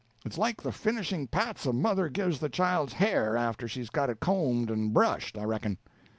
It's like the finishing pats a mother gives the child's hair after she's got it combed and brushed, I reckon.